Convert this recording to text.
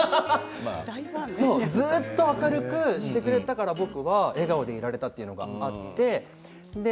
ずっと明るくしてくれたから僕は笑顔でいられたというのがあって。